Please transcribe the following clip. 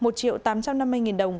một triệu tám trăm năm mươi nghìn đồng